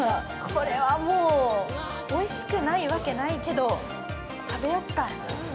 これはもう、おいしくないわけないけど、食べよっか。